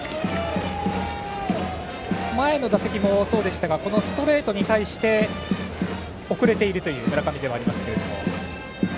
前の打席もそうでしたがこのストレートに対して遅れているという村上ではあります。